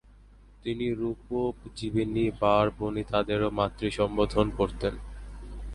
তিনি রূপপোজীবিনী বারবণিতাদেরও মাতৃসম্বোধন করতেন।